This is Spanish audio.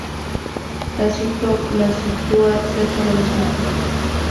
Tácito los sitúa cerca de los nervios.